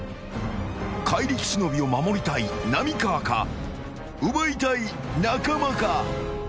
［怪力忍を守りたい浪川か奪いたい中間か］